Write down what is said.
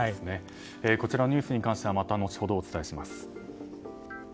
こちらのニュースに関してはまた後ほどお伝えします。